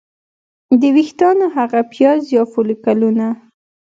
د ویښتانو هغه پیاز یا فولیکولونه